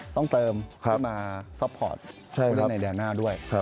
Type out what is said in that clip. ต้องเติมเพื่อมาซอปพอร์ตผู้เล่นในแดงหน้าด้วย